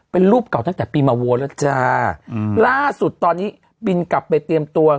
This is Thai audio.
เป็นรูปเก่าตั้งแต่ปีมาโวแล้วจ้าอืมล่าสุดตอนนี้บินกลับไปเตรียมตัว